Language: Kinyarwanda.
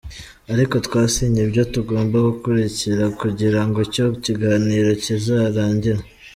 Ariko twasinye ibyo tugomba gukurikira kugira ngo icyo kiganiro kizarangire.